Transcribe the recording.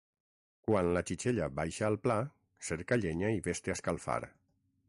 Quan la xixella baixa al pla, cerca llenya i ves-te a escalfar.